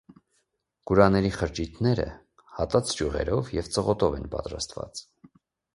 Գուրաների խրճիթները հատած ճյուղերով և ծղոտով են պատրաստած։